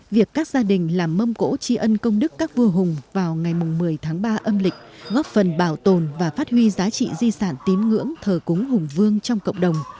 việc các gia đình làm mâm cỗ tri ân công đức các vua hùng vào ngày một mươi tháng ba âm lịch góp phần bảo tồn và phát huy giá trị di sản tín ngưỡng thờ cúng hùng vương trong cộng đồng